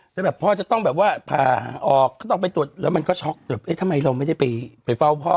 แล้วพ่อจะต้องไปตรวจแล้วมันช็อคทำไมเราไม่ได้ไปเฝ้าพ่อ